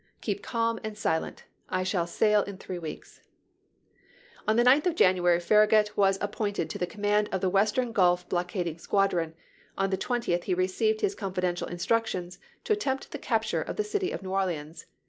Keep calm and silent ; I shall sail in three weeks." On the ninth of January Farragut was appointed to the command of the Western Gulf Blockading Squadron; on the twentieth he received his con fidential instructions to attempt the capture of the city of New Orleans.